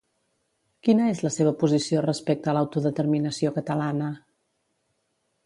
Quina és la seva posició respecte a l'autodeterminació catalana?